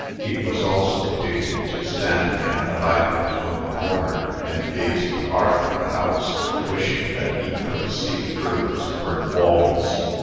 He was also addicted to standing at the hydrant on the corner, and gazing hard at the house, wishing that he could see through its brick walls.